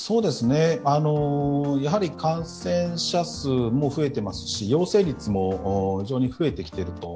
感染者数も増えていますし、陽性率も非常に増えてきていると。